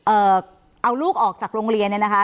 เอาลูกออกจากโรงเรียนเนี่ยนะคะ